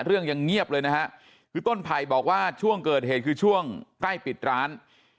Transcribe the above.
ยังเงียบเลยนะฮะคือต้นไผ่บอกว่าช่วงเกิดเหตุคือช่วงใกล้ปิดร้าน